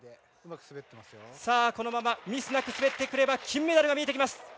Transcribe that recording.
さあこのままミスなく滑ってくれば金メダルが見えてきます。